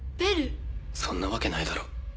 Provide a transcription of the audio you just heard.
そんなわけないだろ。